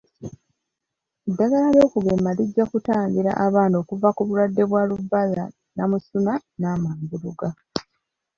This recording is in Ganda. Eddagala ly'okugema lijja kutangira abaana okuva ku bulwadde bwa Ruberla-namusuna n'amambuluga.